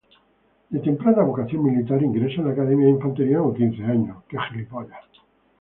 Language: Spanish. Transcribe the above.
De temprana vocación militar, ingresa en la Academia de Infantería con quince años.